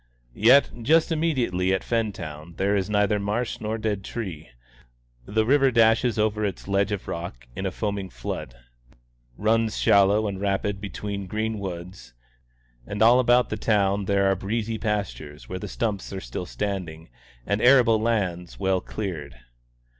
Yet just immediately at Fentown there is neither marsh nor dead tree; the river dashes over its ledge of rock in a foaming flood, runs shallow and rapid between green woods, and all about the town there are breezy pastures where the stumps are still standing, and arable lands well cleared.